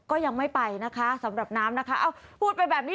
ก็ยังไม่ไปนะคะสำหรับน้ำนะคะเอ้าพูดไปแบบนี้